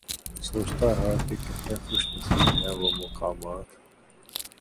سوچتا رہا کہ کتنے خوش نصیب ہیں وہ مقامات